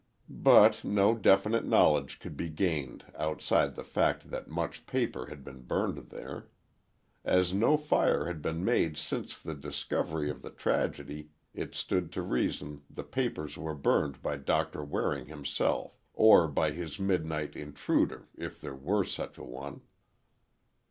But no definite knowledge could be gained outside the fact that much paper had been burned there. As no fire had been made since the discovery of the tragedy, it stood to reason the papers were burned by Doctor Waring himself or by his midnight intruder, if there were such a one.